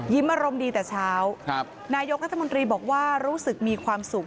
อารมณ์ดีแต่เช้านายกรัฐมนตรีบอกว่ารู้สึกมีความสุข